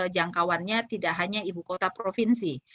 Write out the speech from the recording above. jangkauannya tidak hanya ibu kota provinsi